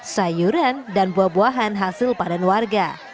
sayuran dan buah buahan hasil panen warga